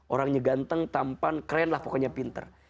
orangnya ganteng tampan keren lah pokoknya pinter